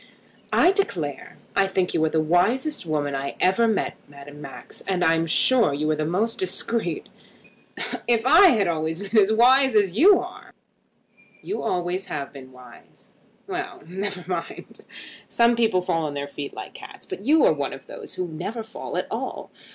"I declare I think you are the wisest woman I ever met, Madame Max. I am sure you are the most discreet. If I had always been as wise as you are!" "You always have been wise." "Well, never mind. Some people fall on their feet like cats; but you are one of those who never fall at all.